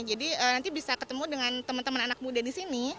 jadi nanti bisa ketemu dengan teman teman anak muda di sini